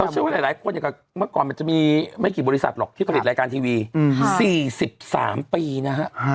เชื่อว่าหลายคนอย่างกับเมื่อก่อนมันจะมีไม่กี่บริษัทหรอกที่ผลิตรายการทีวี๔๓ปีนะฮะ